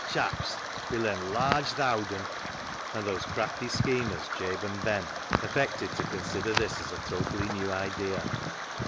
Chaps, we'll enlarge th' owd 'un 1 " And those crafty schemers, Jabe and Ben, affected to consider this as a totally new idea.